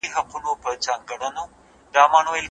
څه ډول یوه ښه رواني درملنه رواني ټپونه جوړوي؟